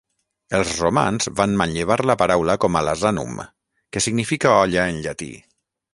Els romans van manllevar la paraula com a "lasanum", que significa "olla" en llatí.